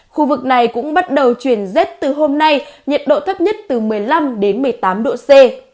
khu vực này cũng bắt đầu chuyển rét từ hôm nay nhiệt độ thấp nhất từ một mươi năm đến một mươi tám độ c